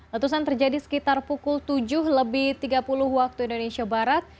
letusan terjadi sekitar pukul tujuh lebih tiga puluh waktu indonesia barat